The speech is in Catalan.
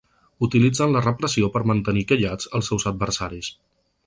Utilitzen la repressió per mantenir callats els seus adversaris.